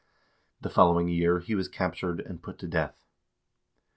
The following year he was cap tured and put to death.